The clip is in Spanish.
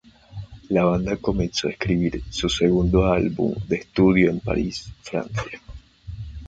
La banda comenzó a escribir su segundo álbum de estudio en París, Francia.